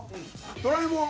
「ドラえもん」。